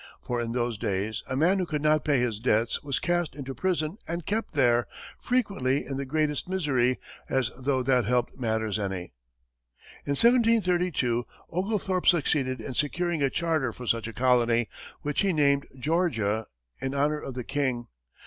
For in those days, a man who could not pay his debts was cast into prison and kept there, frequently in the greatest misery, as though that helped matters any. In 1732, Oglethorpe succeeded in securing a charter for such a colony, which he named Georgia, in honor of the King.